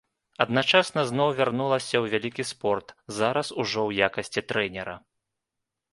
Адначасна зноў вярнулася ў вялікі спорт, зараз ужо ў якасці трэнера.